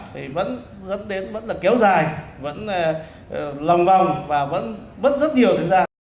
thì vẫn dẫn đến vẫn là kéo dài vẫn là lòng vòng và vẫn mất rất nhiều thời gian